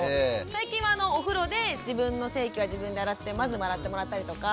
最近はお風呂で自分の性器は自分でまず洗ってもらったりとか。